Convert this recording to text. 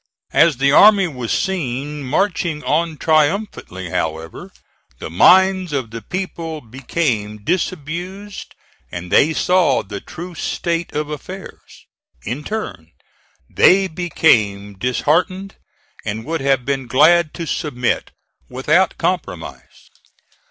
As the army was seen marching on triumphantly, however, the minds of the people became disabused and they saw the true state of affairs. In turn they became disheartened, and would have been glad to submit without compromise.